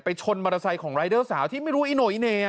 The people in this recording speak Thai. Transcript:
ชนมอเตอร์ไซค์ของรายเดอร์สาวที่ไม่รู้อีโน่อีเหน่